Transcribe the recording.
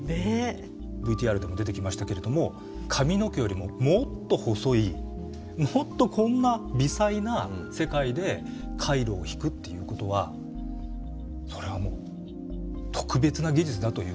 ＶＴＲでも出てきましたけれども髪の毛よりももっと細いもっとこんな微細な世界で回路を引くっていうことはそれはもう特別な技術だということは言えると思いますね。